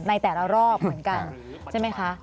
ในแต่ละรอบเหมือนกันใช่ไหมคะ